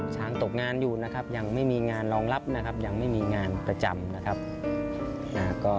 ช้างตกงานอยู่ยังไม่มีงานรองลับยังไม่มีงานประจำ